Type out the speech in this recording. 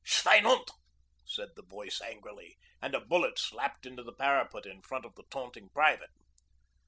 'Schweinhund!' said the voice angrily, and a bullet slapped into the parapet in front of the taunting private.